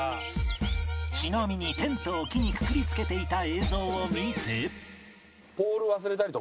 ちなみにテントを木にくくりつけていた映像を見て